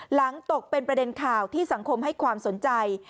หลังตกเป็นประเด็นข่าวที่สังคมให้ความสนใจ